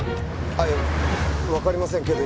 あっいえわかりませんけど